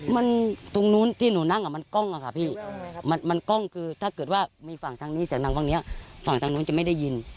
มันตรงนู้นที่หนูนั่งอ่ะมันกล้องอะค่ะพี่มันกล้องคือถ้าเกิดว่ามีฝั่งทางนี้เสียงดังพวกนี้ฝั่งทางนู้นจะไม่ได้ยิน